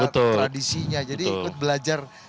tradisinya jadi ikut belajar